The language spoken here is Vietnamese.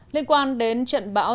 liên quan đến trận bão